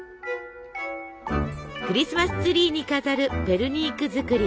クリスマスツリーに飾るペルニーク作り。